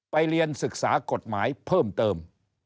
เรียนศึกษากฎหมายเพิ่มเติม